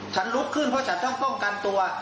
ฉันรุกขึ้นเพราะฉันต้องกันตัว